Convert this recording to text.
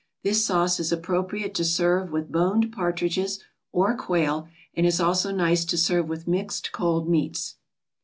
This sauce is appropriate to serve with boned partridges or quail, and is also nice to serve with mixed cold meats.